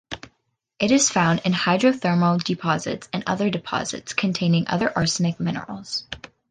It is found in hydrothermal deposits and other deposits containing other arsenic minerals.